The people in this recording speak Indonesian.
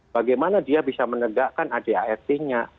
bagaimana dia bisa menegakkan adart nya